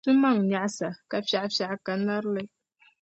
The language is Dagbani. Su maŋ nyaɣisa, ka fiɛɣufiɛɣu, ka narili.